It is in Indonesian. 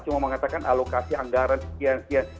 cuma mengatakan alokasi anggaran sekian sekian